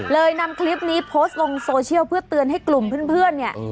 นำคลิปนี้โพสต์ลงโซเชียลเพื่อเตือนให้กลุ่มเพื่อนเนี่ย